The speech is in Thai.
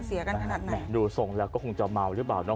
เสียกันขนาดไหนดูส่งแล้วก็คงจะเมาหรือเปล่าเนาะ